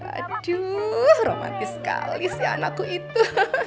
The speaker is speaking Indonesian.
aduh romantis sekali sih anakku itu